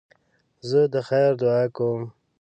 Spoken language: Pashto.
زه د خیر دؤعا کوم.